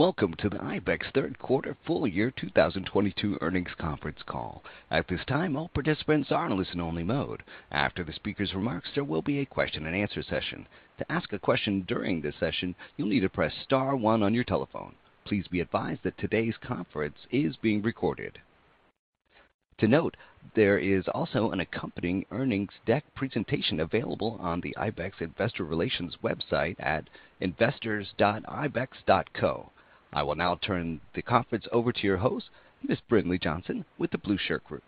Welcome to the IBEX third quarter fiscal year 2022 earnings conference call. At this time, all participants are in listen only mode. After the speaker's remarks, there will be a question-and-answer session. To ask a question during this session, you'll need to press star one on your telephone. Please be advised that today's conference is being recorded. To note, there is also an accompanying earnings deck presentation available on the IBEX Investor Relations website at investors.ibex.co. I will now turn the conference over to your host, Ms. Brinlea Johnson with The Blueshirt Group.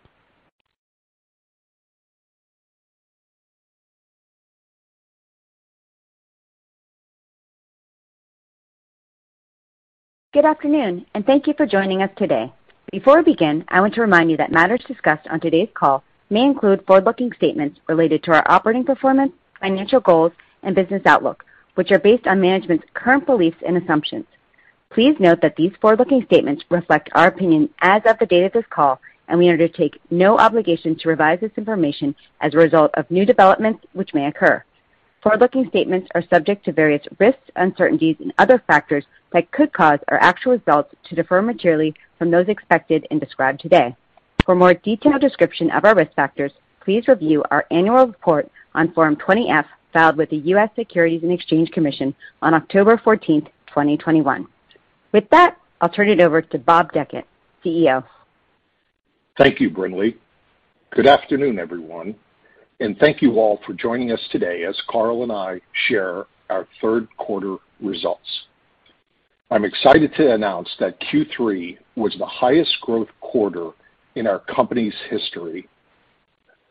Good afternoon, and thank you for joining us today. Before we begin, I want to remind you that matters discussed on today's call may include forward-looking statements related to our operating performance, financial goals, and business outlook, which are based on management's current beliefs and assumptions. Please note that these forward-looking statements reflect our opinion as of the date of this call, and we undertake no obligation to revise this information as a result of new developments which may occur. Forward-looking statements are subject to various risks, uncertainties, and other factors that could cause our actual results to differ materially from those expected and described today. For more detailed description of our risk factors, please review our annual report on Form 20-F, filed with the U.S. Securities and Exchange Commission on October 14, 2021. With that, I'll turn it over to Bob Dechant, CEO. Thank you, Brinlea. Good afternoon, everyone, and thank you all for joining us today as Karl and I share our third quarter results. I'm excited to announce that Q3 was the highest growth quarter in our company's history.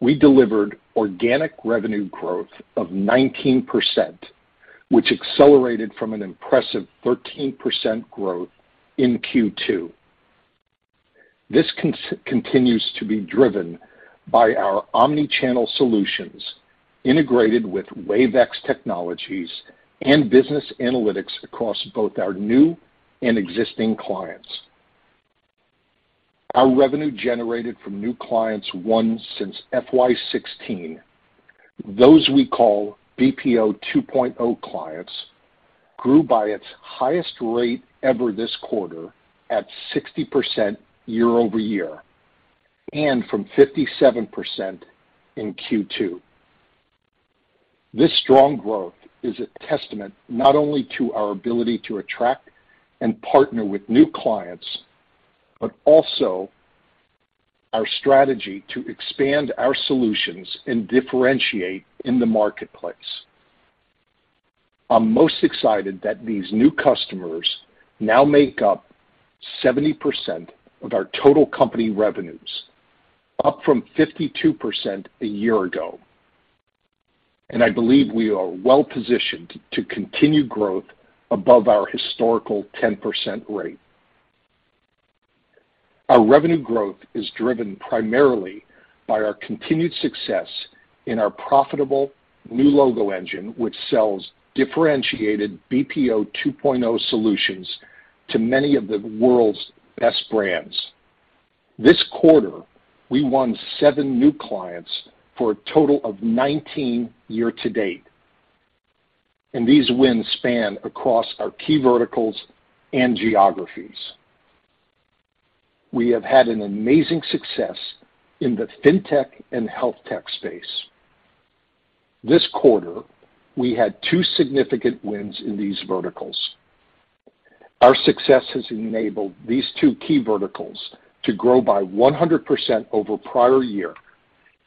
We delivered organic revenue growth of 19%, which accelerated from an impressive 13% growth in Q2. This continues to be driven by our omni-channel solutions integrated with Wave iX technologies and business analytics across both our new and existing clients. Our revenue generated from new clients won since FY 2016, those we call BPO 2.0 clients, grew by its highest rate ever this quarter at 60% year-over-year and from 57% in Q2. This strong growth is a testament not only to our ability to attract and partner with new clients, but also our strategy to expand our solutions and differentiate in the marketplace. I'm most excited that these new customers now make up 70% of our total company revenues, up from 52% a year ago. I believe we are well-positioned to continue growth above our historical 10% rate. Our revenue growth is driven primarily by our continued success in our profitable new logo engine, which sells differentiated BPO 2.0 solutions to many of the world's best brands. This quarter, we won seven new clients for a total of 19 year-to-date, and these wins span across our key verticals and geographies. We have had an amazing success in the fintech and healthtech space. This quarter, we had two significant wins in these verticals. Our success has enabled these two key verticals to grow by 100% over prior year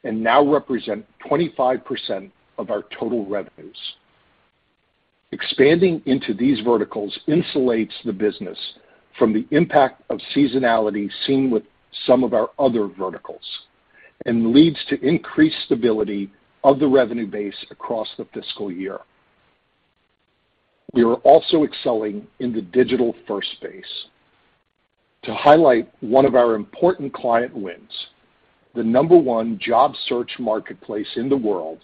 and now represent 25% of our total revenues. Expanding into these verticals insulates the business from the impact of seasonality seen with some of our other verticals and leads to increased stability of the revenue base across the fiscal year. We are also excelling in the digital first space. To highlight one of our important client wins, the number one job search marketplace in the world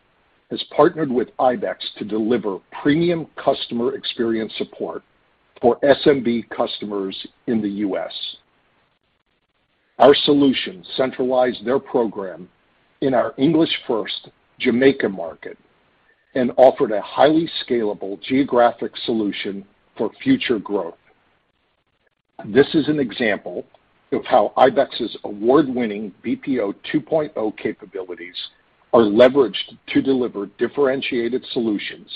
has partnered with IBEX to deliver premium customer experience support for SMB customers in the U.S. Our solution centralized their program in our English First Jamaica market and offered a highly scalable geographic solution for future growth. This is an example of how IBEX's award-winning BPO 2.0 capabilities are leveraged to deliver differentiated solutions,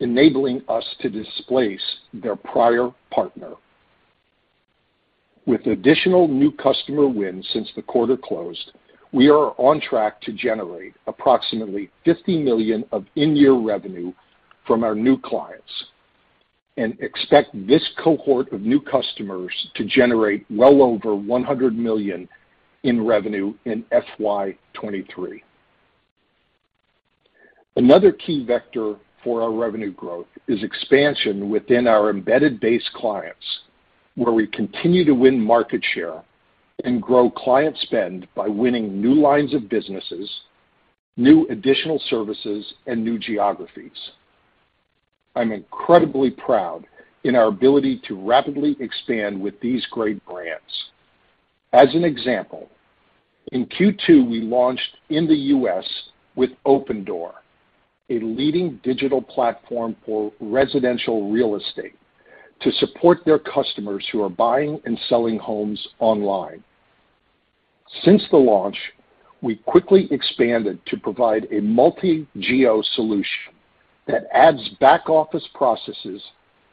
enabling us to displace their prior partner. With additional new customer wins since the quarter closed, we are on track to generate approximately $50 million of in-year revenue from our new clients and expect this cohort of new customers to generate well over $100 million in revenue in FY 2023. Another key vector for our revenue growth is expansion within our embedded base clients, where we continue to win market share and grow client spend by winning new lines of businesses, new additional services, and new geographies. I'm incredibly proud in our ability to rapidly expand with these great brands. As an example, in Q2, we launched in the U.S. with Opendoor, a leading digital platform for residential real estate to support their customers who are buying and selling homes online. Since the launch, we quickly expanded to provide a multi-geo solution that adds back-office processes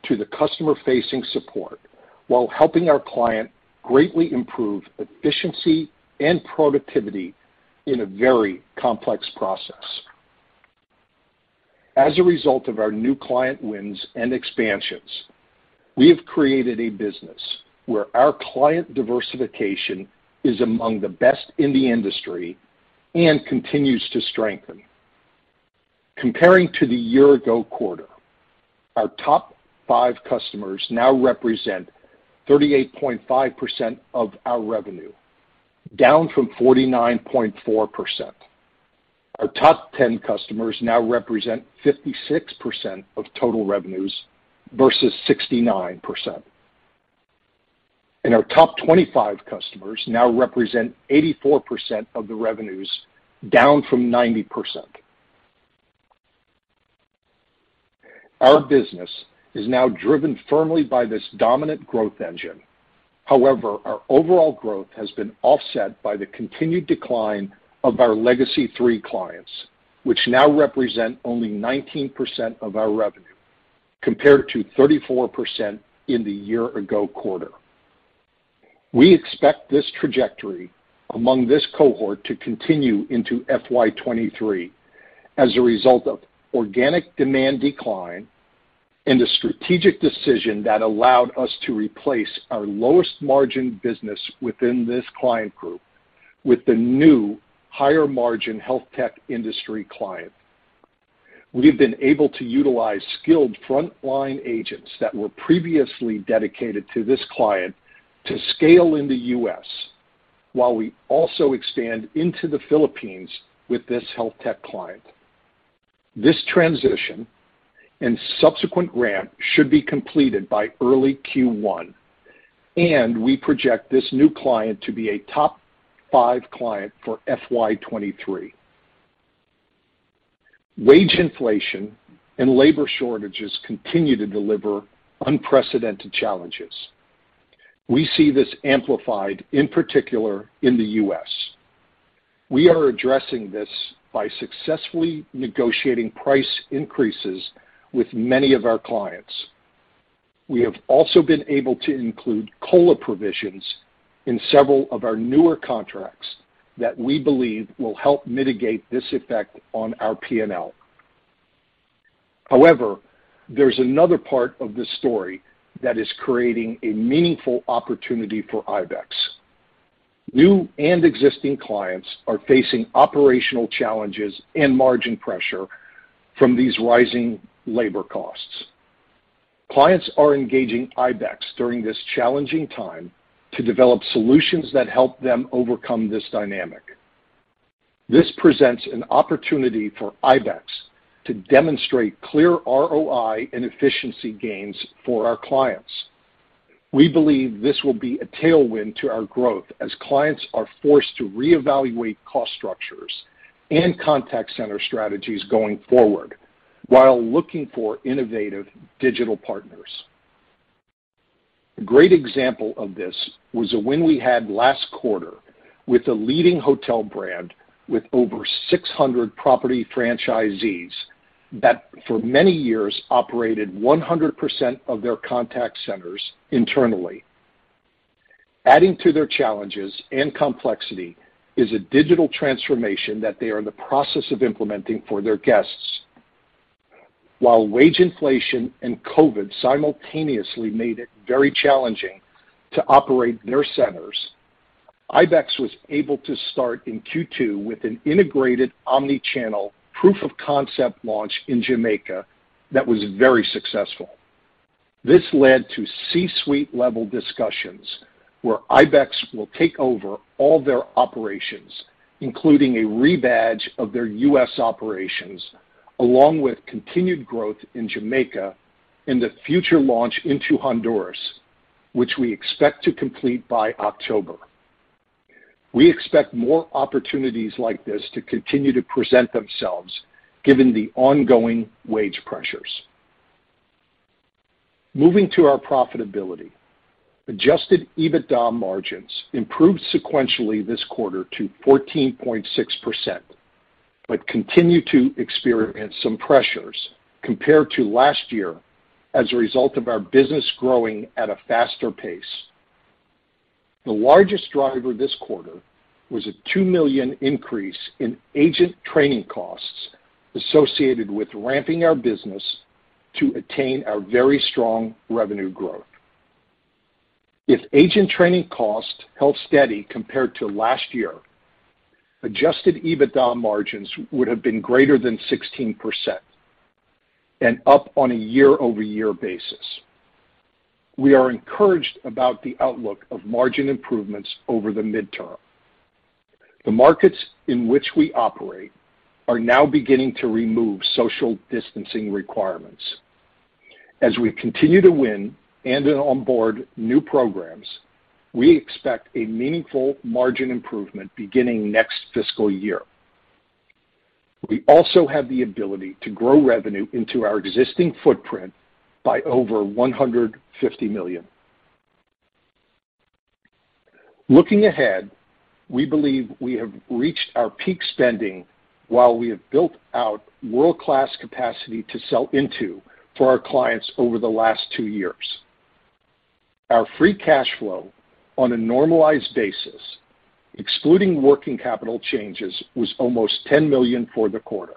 to the customer-facing support while helping our client greatly improve efficiency and productivity in a very complex process. As a result of our new client wins and expansions, we have created a business where our client diversification is among the best in the industry and continues to strengthen. Comparing to the year ago quarter, our top five customers now represent 38.5% of our revenue, down from 49.4%. Our top 10 customers now represent 56% of total revenues versus 69%. Our top 25 customers now represent 84% of the revenues, down from 90%. Our business is now driven firmly by this dominant growth engine. However, our overall growth has been offset by the continued decline of our legacy three clients, which now represent only 19% of our revenue compared to 34% in the year ago quarter. We expect this trajectory among this cohort to continue into FY 2023 as a result of organic demand decline and a strategic decision that allowed us to replace our lowest margin business within this client group with the new higher margin health tech industry client. We've been able to utilize skilled frontline agents that were previously dedicated to this client to scale in the U.S. while we also expand into the Philippines with this health tech client. This transition and subsequent ramp should be completed by early Q1, and we project this new client to be a top five client for FY 2023. Wage inflation and labor shortages continue to deliver unprecedented challenges. We see this amplified, in particular in the U.S. We are addressing this by successfully negotiating price increases with many of our clients. We have also been able to include COLA provisions in several of our newer contracts that we believe will help mitigate this effect on our P&L. However, there's another part of the story that is creating a meaningful opportunity for IBEX. New and existing clients are facing operational challenges and margin pressure from these rising labor costs. Clients are engaging IBEX during this challenging time to develop solutions that help them overcome this dynamic. This presents an opportunity for IBEX to demonstrate clear ROI and efficiency gains for our clients. We believe this will be a tailwind to our growth as clients are forced to reevaluate cost structures and contact center strategies going forward while looking for innovative digital partners. A great example of this was a win we had last quarter with a leading hotel brand with over 600 property franchisees that for many years operated 100% of their contact centers internally. Adding to their challenges and complexity is a digital transformation that they are in the process of implementing for their guests. While wage inflation and COVID simultaneously made it very challenging to operate their centers, IBEX was able to start in Q2 with an integrated omni-channel proof of concept launch in Jamaica that was very successful. This led to C-suite level discussions where IBEX will take over all their operations, including a rebadge of their U.S. operations, along with continued growth in Jamaica and the future launch into Honduras, which we expect to complete by October. We expect more opportunities like this to continue to present themselves given the ongoing wage pressures. Moving to our profitability, adjusted EBITDA margins improved sequentially this quarter to 14.6%, but continue to experience some pressures compared to last year as a result of our business growing at a faster pace. The largest driver this quarter was a $2 million increase in agent training costs associated with ramping our business to attain our very strong revenue growth. If agent training costs held steady compared to last year, adjusted EBITDA margins would have been greater than 16% and up on a year-over-year basis. We are encouraged about the outlook of margin improvements over the midterm. The markets in which we operate are now beginning to remove social distancing requirements. As we continue to win and then onboard new programs, we expect a meaningful margin improvement beginning next fiscal year. We also have the ability to grow revenue into our existing footprint by over $150 million. Looking ahead, we believe we have reached our peak spending while we have built out world-class capacity to sell into for our clients over the last two years. Our free cash flow on a normalized basis, excluding working capital changes, was almost $10 million for the quarter,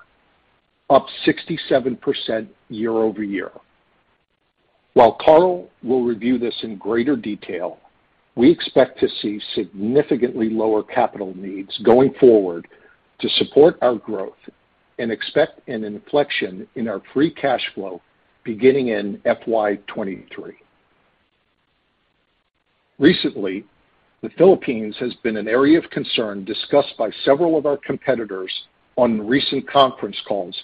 up 67% year-over-year. While Karl will review this in greater detail, we expect to see significantly lower capital needs going forward to support our growth and expect an inflection in our free cash flow beginning in FY 2023. Recently, the Philippines has been an area of concern discussed by several of our competitors on recent conference calls,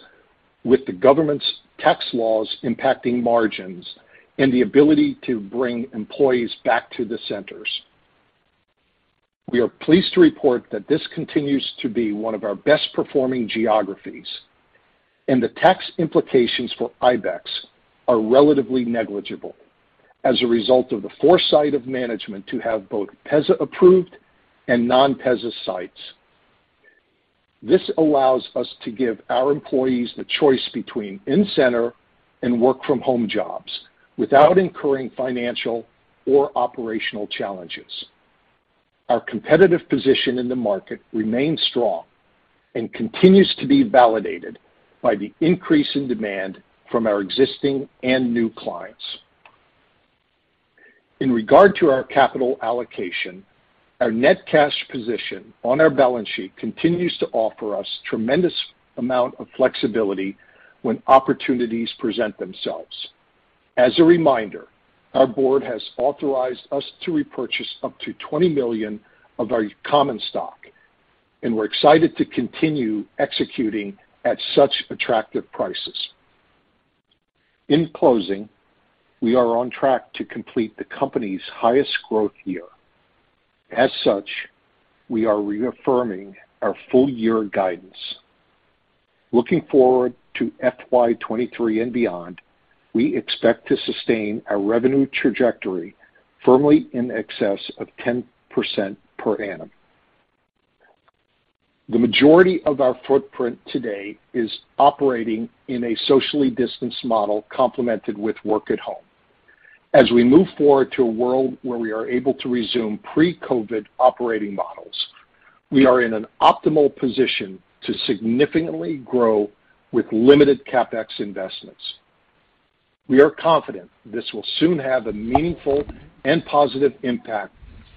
with the government's tax laws impacting margins and the ability to bring employees back to the centers. We are pleased to report that this continues to be one of our best-performing geographies, and the tax implications for IBEX are relatively negligible as a result of the foresight of management to have both PEZA-approved and non-PEZA sites. This allows us to give our employees the choice between in-center and work-from-home jobs without incurring financial or operational challenges. Our competitive position in the market remains strong and continues to be validated by the increase in demand from our existing and new clients. In regard to our capital allocation, our net cash position on our balance sheet continues to offer us tremendous amount of flexibility when opportunities present themselves. As a reminder, our board has authorized us to repurchase up to 20 million of our common stock, and we're excited to continue executing at such attractive prices. In closing, we are on track to complete the company's highest growth year. As such, we are reaffirming our full year guidance. Looking forward to FY 2023 and beyond, we expect to sustain our revenue trajectory firmly in excess of 10% per annum. The majority of our footprint today is operating in a socially distanced model complemented with work at home. As we move forward to a world where we are able to resume pre-COVID operating models, we are in an optimal position to significantly grow with limited CapEx investments. We are confident this will soon have a meaningful and positive impact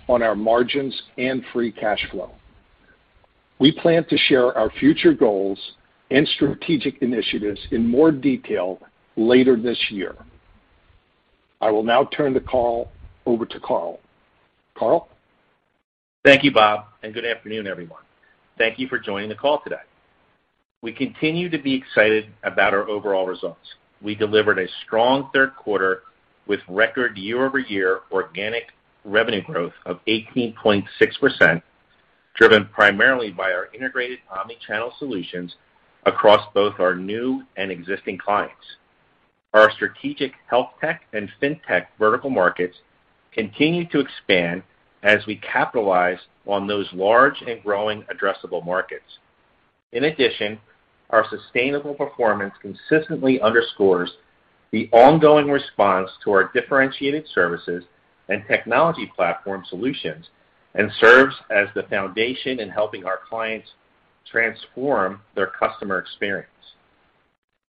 on our margins and free cash flow. We plan to share our future goals and strategic initiatives in more detail later this year. I will now turn the call over to Karl. Karl? Thank you, Bob, and good afternoon, everyone. Thank you for joining the call today. We continue to be excited about our overall results. We delivered a strong third quarter with record year-over-year organic revenue growth of 18.6%, driven primarily by our integrated omnichannel solutions across both our new and existing clients. Our strategic health tech and fintech vertical markets continue to expand as we capitalize on those large and growing addressable markets. In addition, our sustainable performance consistently underscores the ongoing response to our differentiated services and technology platform solutions and serves as the foundation in helping our clients transform their customer experience.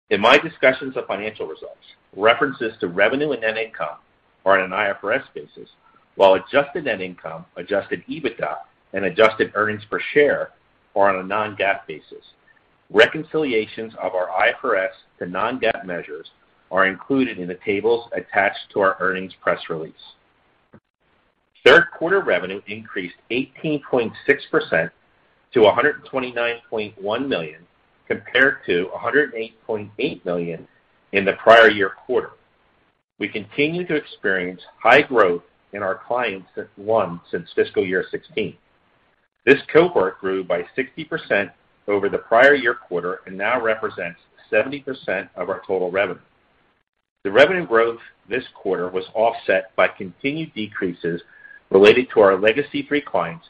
In my discussions of financial results, references to revenue and net income are on an IFRS basis, while adjusted net income, adjusted EBITDA, and adjusted earnings per share are on a non-GAAP basis. Reconciliations of our IFRS to non-GAAP measures are included in the tables attached to our earnings press release. Third quarter revenue increased 18.6% to $129.1 million compared to $108.8 million in the prior year quarter. We continue to experience high growth in our clients that won since fiscal year 2016. This cohort grew by 60% over the prior year quarter and now represents 70% of our total revenue. The revenue growth this quarter was offset by continued decreases related to our legacy three clients,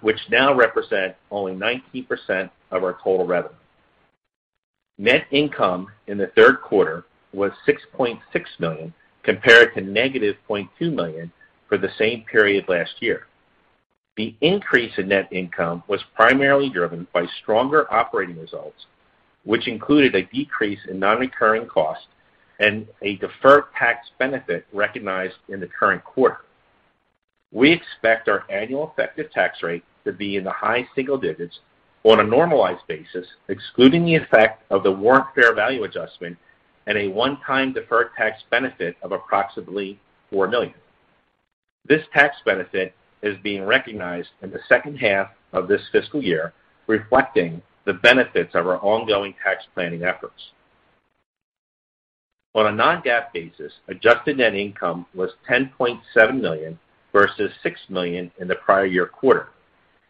which now represent only 19% of our total revenue. Net income in the third quarter was $6.6 million compared to negative $0.2 million for the same period last year. The increase in net income was primarily driven by stronger operating results, which included a decrease in non-recurring costs and a deferred tax benefit recognized in the current quarter. We expect our annual effective tax rate to be in the high single digits. On a normalized basis, excluding the effect of the warrant fair value adjustment and a one-time deferred tax benefit of approximately $4 million. This tax benefit is being recognized in the H2 of this fiscal year, reflecting the benefits of our ongoing tax planning efforts. On a non-GAAP basis, adjusted net income was $10.7 million versus $6 million in the prior year quarter,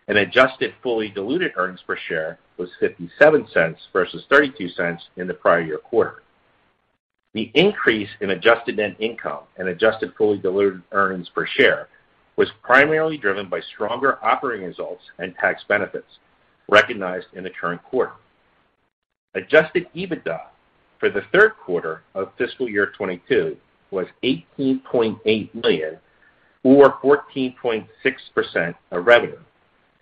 and adjusted fully diluted earnings per share was $0.57 versus $0.32 in the prior year quarter. The increase in adjusted net income and adjusted fully diluted earnings per share was primarily driven by stronger operating results and tax benefits recognized in the current quarter. Adjusted EBITDA for the third quarter of fiscal year 2022 was $18.8 million or 14.6% of revenue,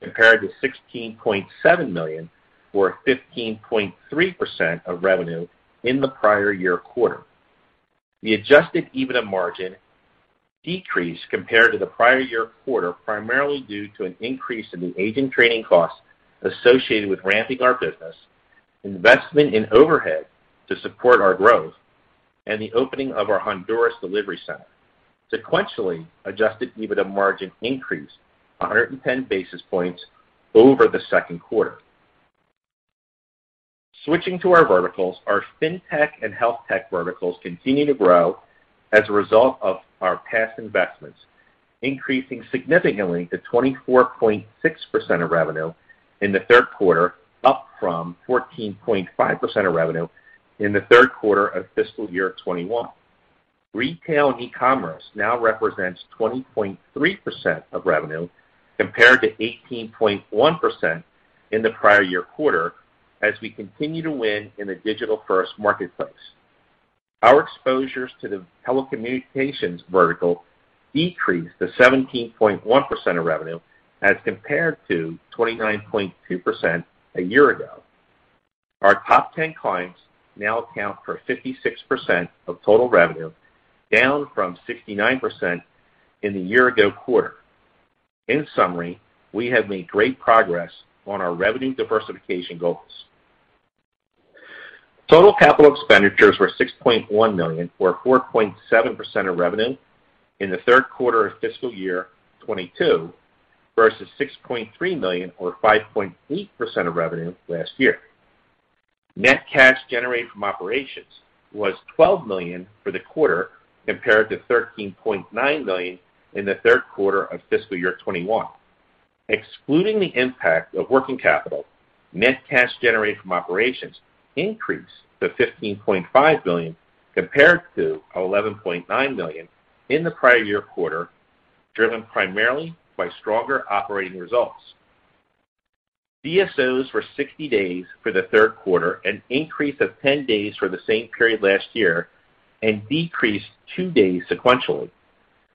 compared to $16.7 million or 15.3% of revenue in the prior year quarter. The adjusted EBITDA margin decreased compared to the prior year quarter, primarily due to an increase in the agent training costs associated with ramping our business, investment in overhead to support our growth, and the opening of our Honduras delivery center. Sequentially, adjusted EBITDA margin increased 110 basis points over the second quarter. Switching to our verticals, our Fintech and Healthtech verticals continue to grow as a result of our past investments, increasing significantly to 24.6% of revenue in the third quarter, up from 14.5% of revenue in the third quarter of fiscal year 2021. Retail and e-commerce now represents 20.3% of revenue, compared to 18.1% in the prior year quarter as we continue to win in the digital-first marketplace. Our exposures to the telecommunications vertical decreased to 17.1% of revenue as compared to 29.2% a year ago. Our 10 ten clients now account for 56% of total revenue, down from 69% in the year ago quarter. In summary, we have made great progress on our revenue diversification goals. Total capital expenditures were $6.1 million or 4.7% of revenue in the third quarter of fiscal year 2022, versus $6.3 million or 5.8% of revenue last year. Net cash generated from operations was $12 million for the quarter, compared to $13.9 million in the third quarter of fiscal year 2021. Excluding the impact of working capital, net cash generated from operations increased to $15.5 million compared to $11.9 million in the prior year quarter, driven primarily by stronger operating results. DSOs were 60 days for the third quarter, an increase of 10 days for the same period last year and decreased two days sequentially.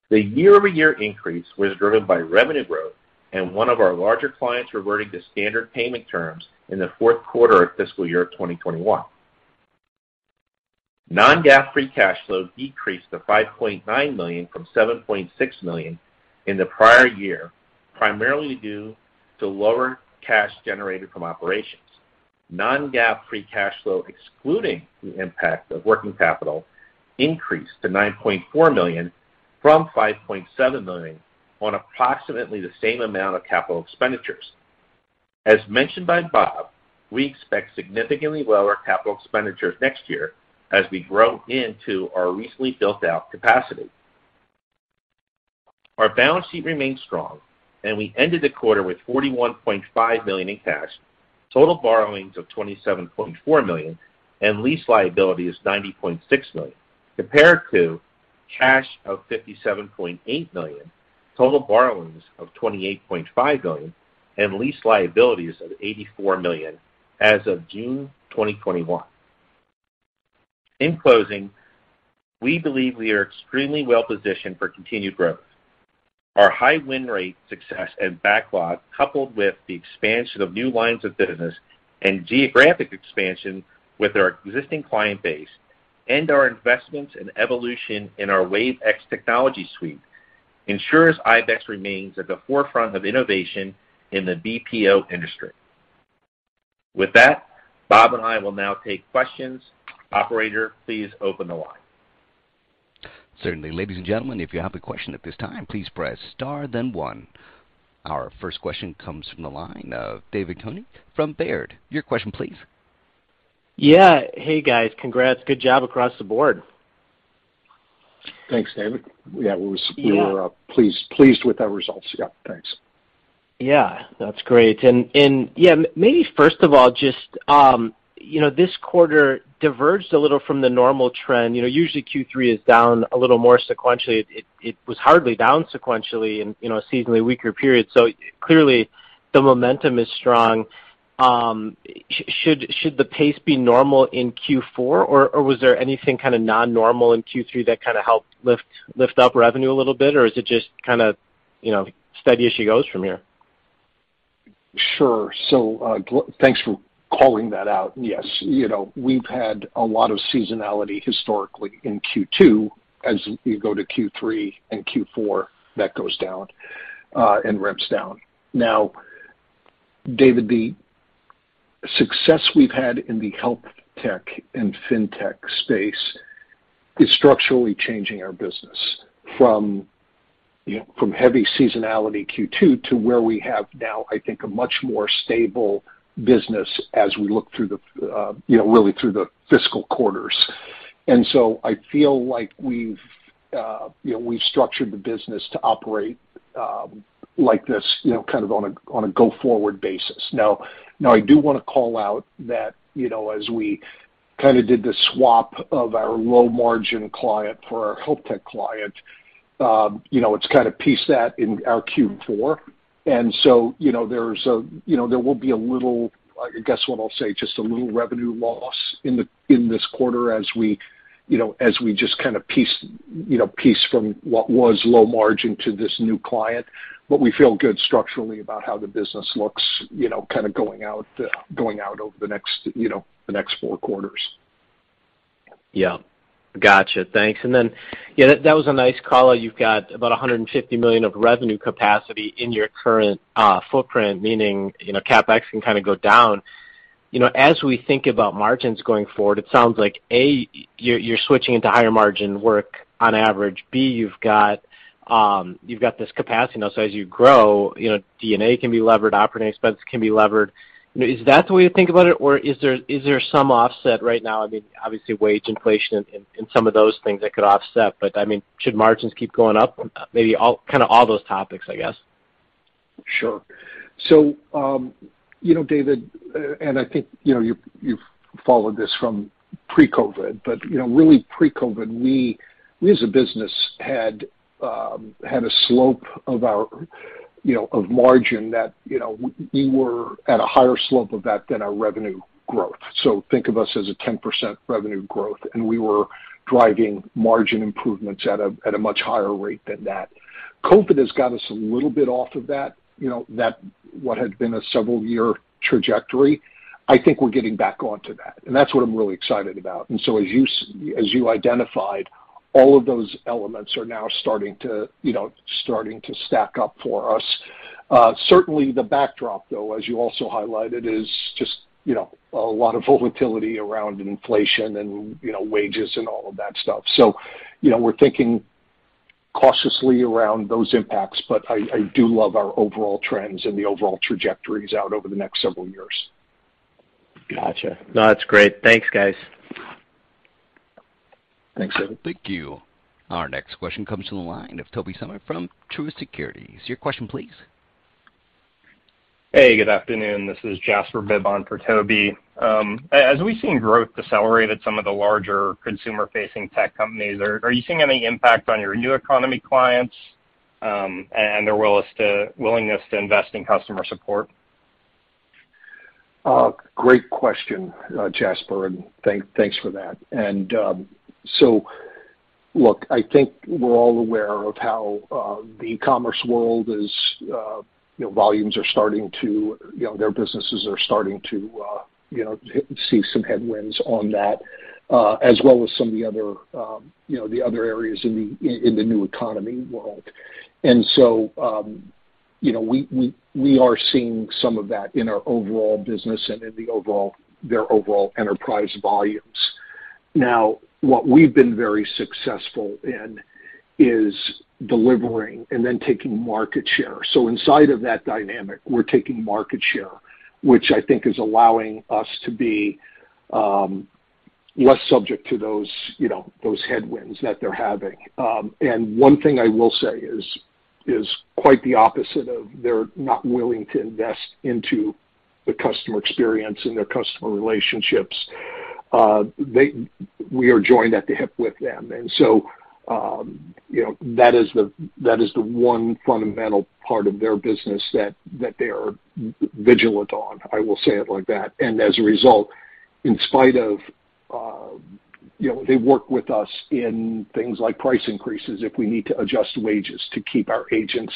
The year-over-year increase was driven by revenue growth and one of our larger clients reverting to standard payment terms in the fourth quarter of fiscal year 2021. Non-GAAP free cash flow decreased to $5.9 million from $7.6 million in the prior year, primarily due to lower cash generated from operations. Non-GAAP free cash flow, excluding the impact of working capital, increased to $9.4 million from $5.7 million on approximately the same amount of capital expenditures. As mentioned by Bob, we expect significantly lower capital expenditures next year as we grow into our recently built-out capacity. Our balance sheet remains strong and we ended the quarter with $41.5 million in cash, total borrowings of $27.4 million, and lease liabilities $90.6 million, compared to cash of $57.8 million, total borrowings of $28.5 million, and lease liabilities of $84 million as of June 2021. In closing, we believe we are extremely well positioned for continued growth. Our high win rate success and backlog, coupled with the expansion of new lines of business and geographic expansion with our existing client base and our investments and evolution in our Wave iX technology suite ensures IBEX remains at the forefront of innovation in the BPO industry. With that, Bob and I will now take questions. Operator, please open the line. Certainly. Ladies and gentlemen, if you have a question at this time, please press star then one. Our first question comes from the line of David Koning from Baird. Your question please. Yeah. Hey, guys. Congrats. Good job across the board. Thanks, David. Yeah. We were pleased with our results. Yeah, thanks. Yeah, that's great. Yeah, maybe first of all, just, you know, this quarter diverged a little from the normal trend. You know, usually Q3 is down a little more sequentially. It was hardly down sequentially in, you know, a seasonally weaker period. Clearly the momentum is strong. Should the pace be normal in Q4 or was there anything kinda non-normal in Q3 that kinda helped lift up revenue a little bit? Or is it just kinda, you know, steady as she goes from here? Sure. Thanks for calling that out. Yes, you know, we've had a lot of seasonality historically in Q2. As you go to Q3 and Q4, that goes down and ramps down. Now, David, the success we've had in the healthtech and fintech space is structurally changing our business from, you know, from heavy seasonality Q2 to where we have now, I think, a much more stable business as we look through the, you know, really through the fiscal quarters. I feel like we've, you know, we've structured the business to operate, like this, you know, kind of on a go-forward basis. Now I do wanna call out that, you know, as we kinda did the swap of our low-margin client for our healthtech client, you know, it's kinda pieced that in our Q4. You know, there will be a little, I guess what I'll say, just a little revenue loss in this quarter as we just kind of piece from what was low margin to this new client. We feel good structurally about how the business looks, you know, kinda going out over the next, you know, the next four quarters. Yeah. Gotcha. Thanks. Yeah, that was a nice call-out. You've got about $150 million of revenue capacity in your current footprint, meaning, you know, CapEx can kinda go down. You know, as we think about margins going forward, it sounds like, A, you're switching into higher margin work on average. B, you've got this capacity now, so as you grow, you know, D&A can be levered, operating expense can be levered. You know, is that the way to think about it, or is there some offset right now? I mean, obviously wage inflation and some of those things that could offset, but, I mean, should margins keep going up? Maybe kinda all those topics, I guess. Sure. You know, David, and I think, you know, you've followed this from pre-COVID, but, you know, really pre-COVID, we as a business had a slope of our, you know, of margin that, you know, we were at a higher slope of that than our revenue growth. Think of us as a 10% revenue growth, and we were driving margin improvements at a much higher rate than that. COVID has got us a little bit off of that, you know, that what had been a several-year trajectory. I think we're getting back onto that, and that's what I'm really excited about. As you identified, all of those elements are now starting to, you know, starting to stack up for us. Certainly the backdrop, though, as you also highlighted, is just, you know, a lot of volatility around inflation and, you know, wages and all of that stuff. You know, we're thinking cautiously around those impacts, but I do love our overall trends and the overall trajectories out over the next several years. Gotcha. No, that's great. Thanks, guys. Thanks, David. Thank you. Our next question comes from the line of Tobey Sommer from Truist Securities. Your question, please. Hey, good afternoon. This is Jasper Bibb for Tobey. As we've seen growth decelerate at some of the larger consumer-facing tech companies, are you seeing any impact on your new economy clients, and their willingness to invest in customer support? Great question, Jasper, and thanks for that. Look, I think we're all aware of how the commerce world is, you know, volumes are starting to, you know, their businesses are starting to, you know, see some headwinds on that, as well as some of the other, you know, the other areas in the new economy world. We are seeing some of that in our overall business and in their overall enterprise volumes. Now, what we've been very successful in is delivering and then taking market share. Inside of that dynamic, we're taking market share, which I think is allowing us to be less subject to those, you know, those headwinds that they're having. One thing I will say is quite the opposite of they're not willing to invest into the customer experience and their customer relationships. We are joined at the hip with them. You know, that is the one fundamental part of their business that they are vigilant on. I will say it like that. As a result, in spite of, you know, they work with us in things like price increases if we need to adjust wages to keep our agents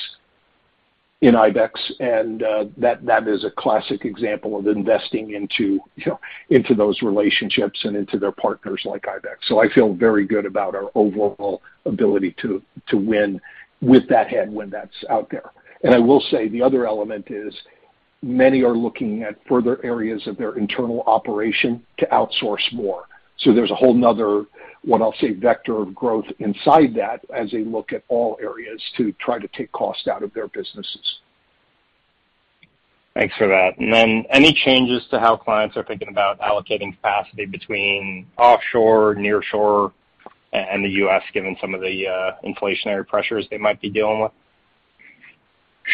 in IBEX, and that is a classic example of investing into, you know, into those relationships and into their partners like IBEX. I feel very good about our overall ability to win with that headwind that's out there. I will say the other element is many are looking at further areas of their internal operation to outsource more. There's a whole nother, what I'll say, vector of growth inside that as they look at all areas to try to take cost out of their businesses. Thanks for that. Any changes to how clients are thinking about allocating capacity between offshore, nearshore, and the U.S., given some of the inflationary pressures they might be dealing with?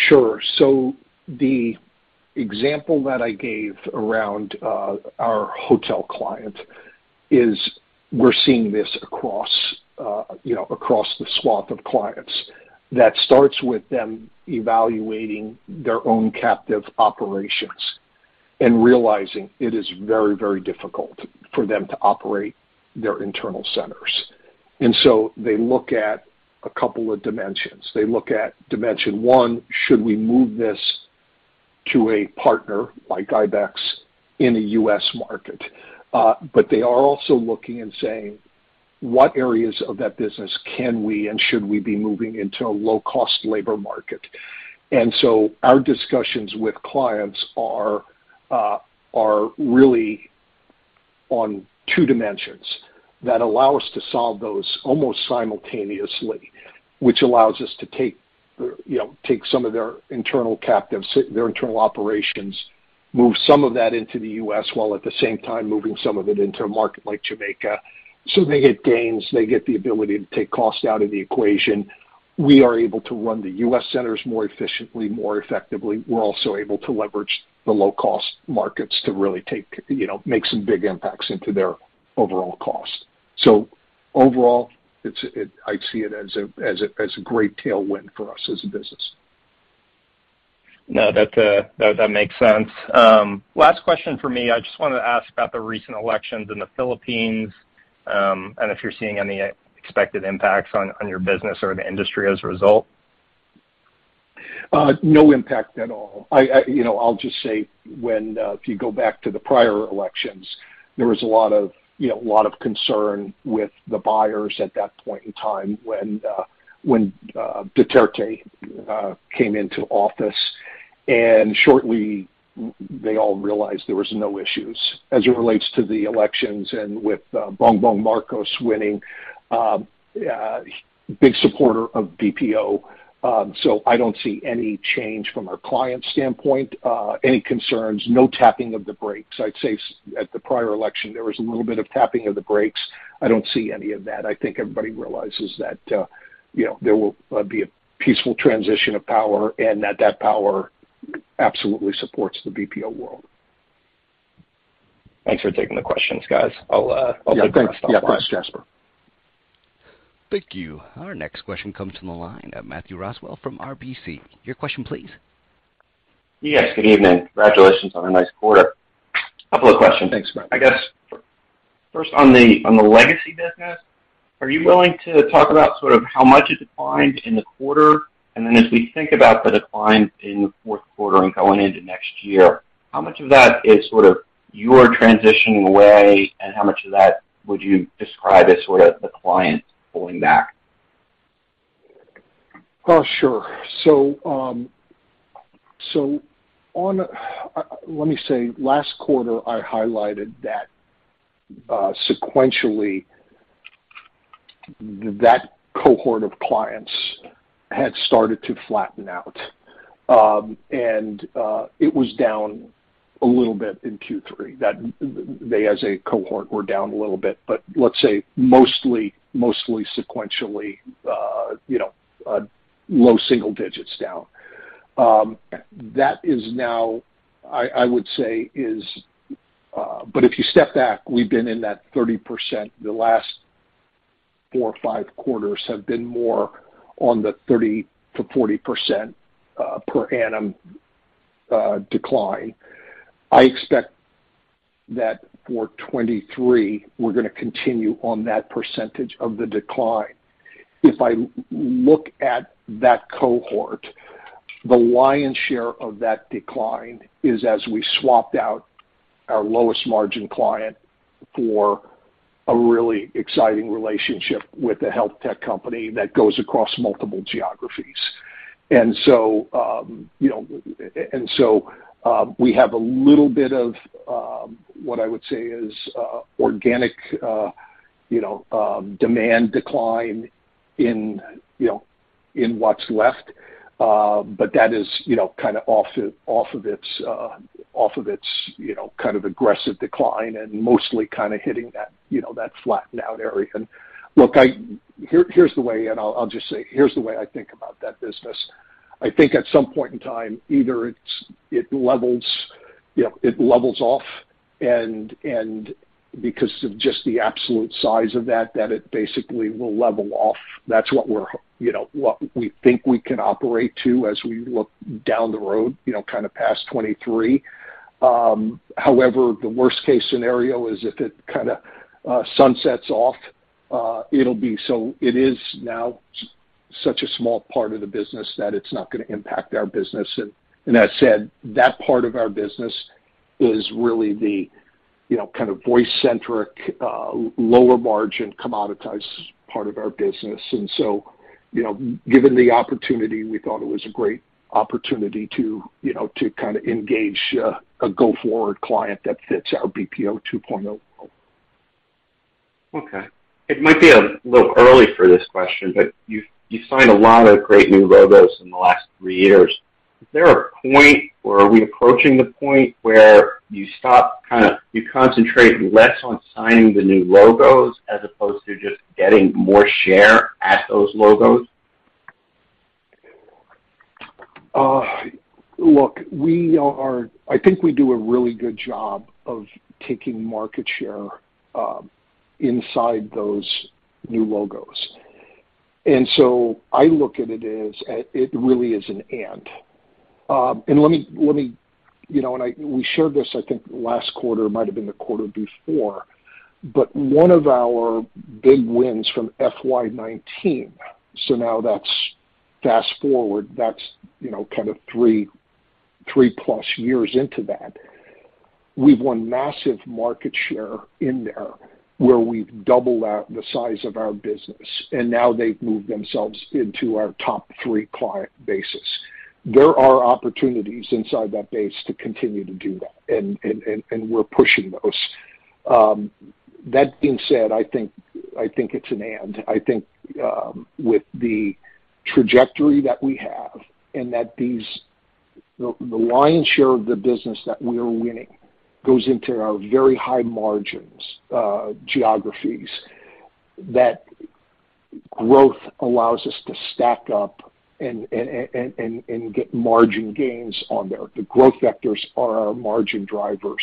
Sure. The example that I gave around our hotel client is we're seeing this across the swath of clients. That starts with them evaluating their own captive operations and realizing it is very, very difficult for them to operate their internal centers. They look at a couple of dimensions. They look at dimension one, should we move this to a partner, like IBEX, in a U.S. market? They are also looking and saying, what areas of that business can we and should we be moving into a low-cost labor market? Our discussions with clients are really on two dimensions that allow us to solve those almost simultaneously, which allows us to take, you know, some of their internal captives, their internal operations, move some of that into the U.S., while at the same time moving some of it into a market like Jamaica. They get gains, they get the ability to take cost out of the equation. We are able to run the U.S. centers more efficiently, more effectively. We're also able to leverage the low-cost markets to really take, you know, make some big impacts into their overall cost. Overall, it's I see it as a great tailwind for us as a business. No, that makes sense. Last question for me. I just wanna ask about the recent elections in the Philippines, and if you're seeing any expected impacts on your business or the industry as a result. No impact at all. You know, I'll just say when if you go back to the prior elections, there was a lot of concern with the buyers at that point in time when Duterte came into office. Shortly, they all realized there was no issues. As it relates to the elections and with Bongbong Marcos winning, big supporter of BPO. I don't see any change from our client standpoint, any concerns, no tapping of the brakes. I'd say at the prior election, there was a little bit of tapping of the brakes. I don't see any of that. I think everybody realizes that, you know, there will be a peaceful transition of power and that power absolutely supports the BPO world. Thanks for taking the questions, guys. I'll take myself off. Yeah, thanks. Yeah. Thanks, Jasper. Thank you. Our next question comes from the line of Matt Roswell from RBC. Your question please. Yes. Good evening. Congratulations on a nice quarter. Couple of questions. Thanks, Matt. I guess first on the legacy business, are you willing to talk about sort of how much it declined in the quarter? As we think about the decline in the fourth quarter and going into next year, how much of that is sort of your transitioning away, and how much of that would you describe as sort of the client pulling back? Oh, sure. Let me say, last quarter, I highlighted that, sequentially, that cohort of clients had started to flatten out. It was down a little bit in Q3. That they, as a cohort, were down a little bit. Let's say mostly sequentially, low single digits down. That is now, I would say, is. If you step back, we've been in that 30%. The last four or five quarters have been more on the 30%-40%, per annum, decline. I expect that for 2023, we're gonna continue on that percentage of the decline. If I look at that cohort, the lion's share of that decline is as we swapped out our lowest margin client for a really exciting relationship with a healthtech company that goes across multiple geographies. We have a little bit of what I would say is organic demand decline in what's left. That is kinda off of its kind of aggressive decline and mostly kinda hitting that flattened out area. Here's the way, and I'll just say here's the way I think about that business. I think at some point in time, either it's it levels off and because of just the absolute size of that it basically will level off. That's what we're what we think we can operate to as we look down the road kinda past 2023. However, the worst-case scenario is if it kinda sunsets off it'll be such a small part of the business that it's not gonna impact our business. That said, that part of our business is really the kind of voice-centric lower margin commoditized part of our business. Given the opportunity, we thought it was a great opportunity to kinda engage a go-forward client that fits our BPO 2.0 model. Okay. It might be a little early for this question, but you signed a lot of great new logos in the last three years. Is there a point, or are we approaching the point where you stop kinda you concentrate less on signing the new logos as opposed to just getting more share at those logos? Look, I think we do a really good job of taking market share inside those new logos. I look at it as it really is an and. Let me. You know, we shared this, I think, last quarter, it might have been the quarter before, but one of our big wins from FY 2019, so now that's fast forward, that's, you know, kind of three plus years into that. We've won massive market share in there, where we've doubled the size of our business, and now they've moved themselves into our top three client bases. There are opportunities inside that base to continue to do that, and we're pushing those. That being said, I think it's an and. I think with the trajectory that we have and that the lion's share of the business that we are winning goes into our high-margin geographies, that growth allows us to stack up and get margin gains on there. The growth vectors are our margin drivers.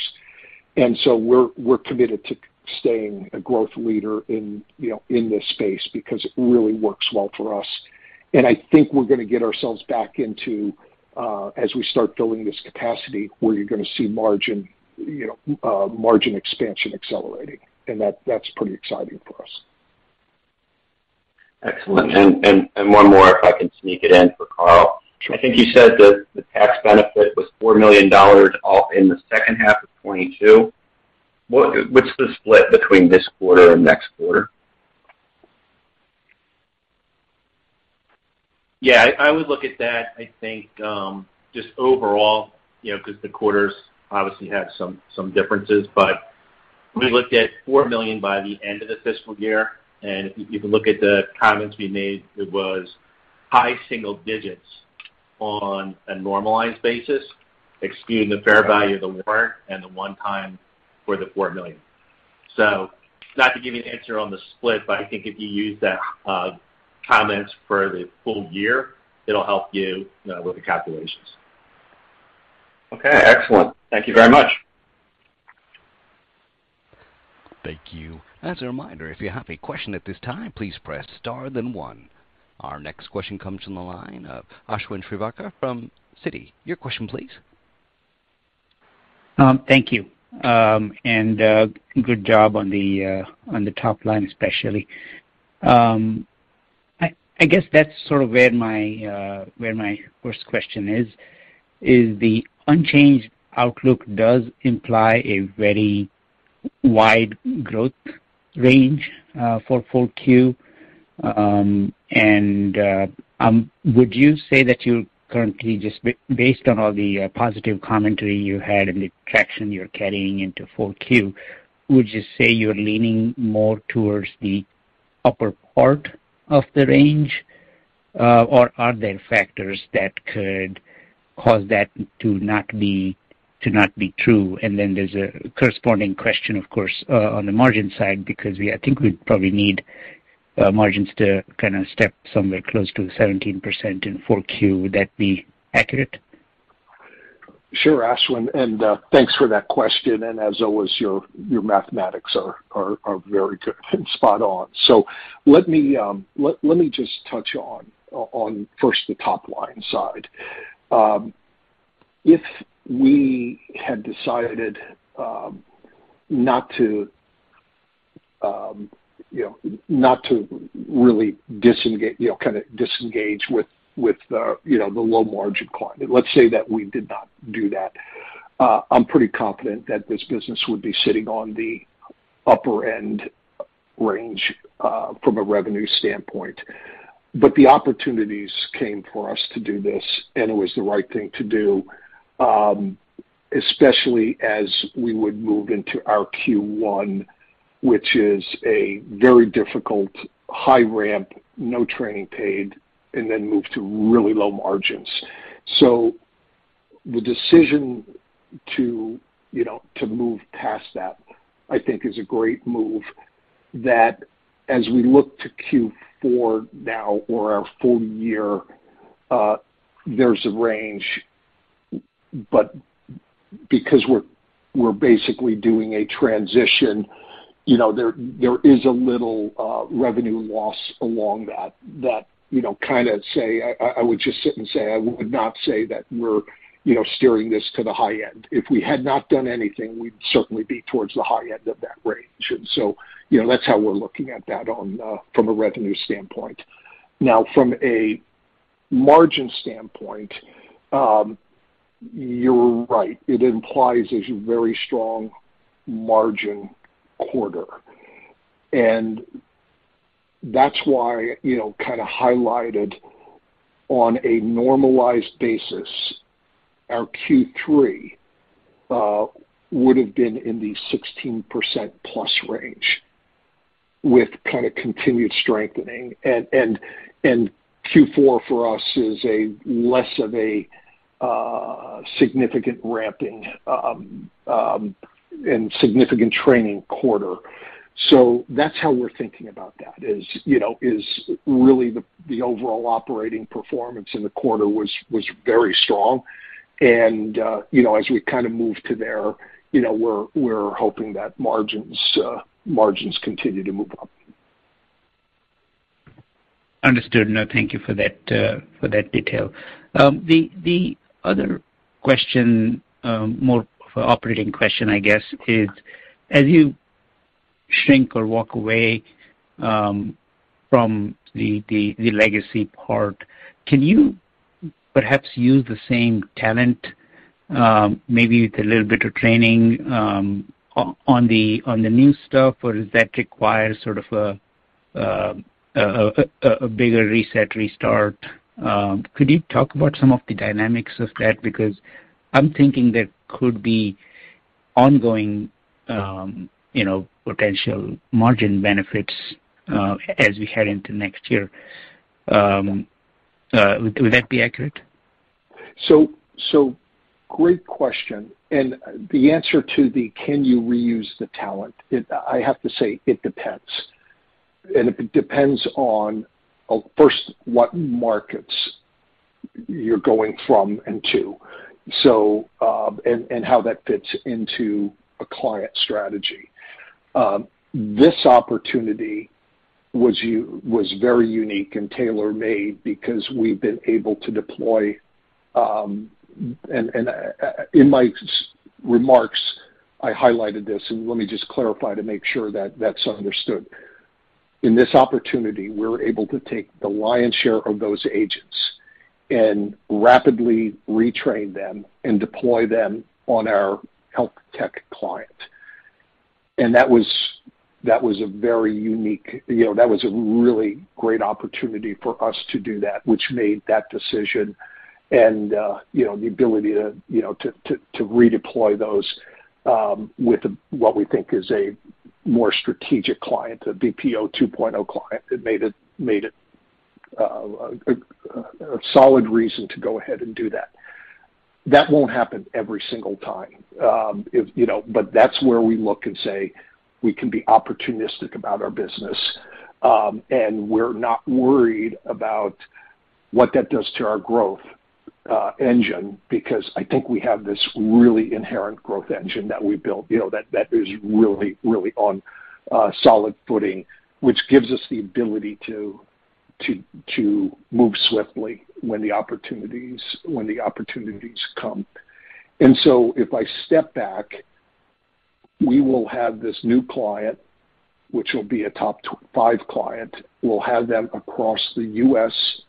We're committed to staying a growth leader in, you know, in this space because it really works well for us. I think we're gonna get ourselves back into, as we start filling this capacity, where you're gonna see margin expansion accelerating, and that's pretty exciting for us. Excellent. One more, if I can sneak it in for Karl. Sure. I think you said the tax benefit was $4 million all in the H2 of 2022. What's the split between this quarter and next quarter? Yeah. I would look at that, I think, just overall, you know, because the quarters obviously have some differences. We looked at $4 million by the end of the fiscal year, and if you can look at the comments we made, it was high single digits% on a normalized basis, excluding the fair value of the warrant and the one time for the $4 million. Not to give you an answer on the split, but I think if you use that comments for the full year, it'll help you with the calculations. Okay, excellent. Thank you very much. Thank you. As a reminder, if you have a question at this time, please press star then one. Our next question comes from the line of Ashwin Shirvaikar from Citi. Your question please. Thank you. Good job on the top line, especially. I guess that's sort of where my first question is, the unchanged outlook does imply a very wide growth range for 4Q. Would you say that you're currently just based on all the positive commentary you had and the traction you're carrying into 4Q, would you say you're leaning more towards the upper part of the range, or are there factors that could cause that to not be true? Then there's a corresponding question, of course, on the margin side, because I think we probably need margins to kinda step somewhere close to 17% in 4Q. Would that be accurate? Sure, Ashwin, thanks for that question, and as always, your mathematics are very good and spot on. Let me just touch on first the top line side. If we had decided not to really disengage, you know, kinda disengage with the low margin client. Let's say that we did not do that. I'm pretty confident that this business would be sitting on the upper end range from a revenue standpoint. The opportunities came for us to do this, and it was the right thing to do, especially as we would move into our Q1, which is a very difficult high ramp, no training paid, and then move to really low margins. The decision to, you know, to move past that, I think is a great move that as we look to Q4 now or our full year, there's a range. Because we're basically doing a transition, you know, there is a little revenue loss along that, you know, kinda say I would just sit and say I would not say that we're, you know, steering this to the high end. If we had not done anything, we'd certainly be towards the high end of that range. You know, that's how we're looking at that on from a revenue standpoint. Now from a margin standpoint, you're right. It implies there's a very strong margin quarter. That's why, you know, kinda highlighted on a normalized basis, our Q3 would have been in the +16% range with kinda continued strengthening. Q4 for us is less of a significant ramping and significant training quarter. That's how we're thinking about that is, you know, really the overall operating performance in the quarter was very strong. You know, as we kinda move to there, you know, we're hoping that margins continue to move up. Understood. No, thank you for that, for that detail. The other question, more of an operating question, I guess, is as you shrink or walk away from the legacy part. Can you perhaps use the same talent, maybe with a little bit of training, on the new stuff, or does that require sort of a bigger reset, restart? Could you talk about some of the dynamics of that? Because I'm thinking there could be ongoing, you know, potential margin benefits, as we head into next year. Would that be accurate? Great question. The answer to 'can you reuse the talent', I have to say, it depends. It depends on first what markets you're going from and to, and how that fits into a client strategy. This opportunity was very unique and tailor-made because we've been able to deploy. In my remarks, I highlighted this, and let me just clarify to make sure that that's understood. In this opportunity, we're able to take the lion's share of those agents and rapidly retrain them and deploy them on our healthtech client. That was a very unique, you know, a really great opportunity for us to do that, which made that decision and, you know, the ability to, you know, to redeploy those with what we think is a more strategic client, a BPO 2.0 client, that made a solid reason to go ahead and do that. That won't happen every single time. That's where we look and say we can be opportunistic about our business. We're not worried about what that does to our growth engine, because I think we have this really inherent growth engine that we built, you know, that is really, really on solid footing, which gives us the ability to move swiftly when the opportunities come. If I step back, we will have this new client, which will be a top five client. We'll have them across the U.S.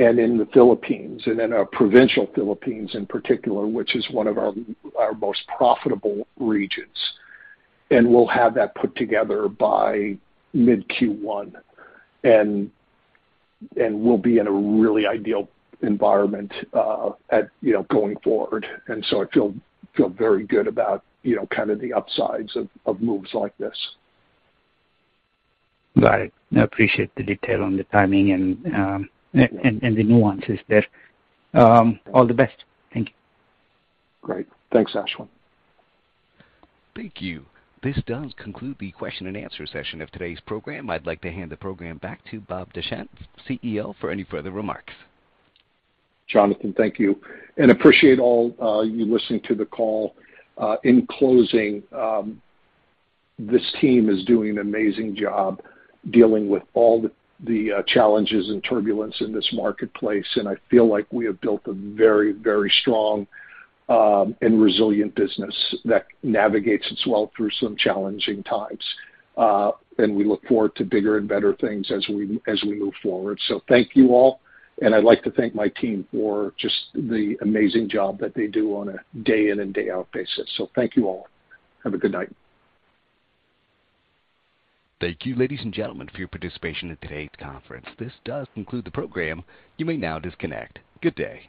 and in the Philippines, and in our provincial Philippines in particular, which is one of our most profitable regions. We'll have that put together by mid Q1. We'll be in a really ideal environment, that you know, going forward. I feel very good about, you know, kind of the upsides of moves like this. Got it. I appreciate the detail on the timing and the nuances there. All the best. Thank you. Great. Thanks, Ashwin. Thank you. This does conclude the question and answer session of today's program. I'd like to hand the program back to Bob Dechant, CEO, for any further remarks. Jonathan, thank you. I appreciate all you listening to the call. In closing, this team is doing an amazing job dealing with all the challenges and turbulence in this marketplace, and I feel like we have built a very, very strong and resilient business that navigates as well through some challenging times. We look forward to bigger and better things as we move forward. Thank you all, and I'd like to thank my team for just the amazing job that they do on a day in and day out basis. Thank you all. Have a good night. Thank you, ladies and gentlemen, for your participation in today's conference. This does conclude the program. You may now disconnect. Good day.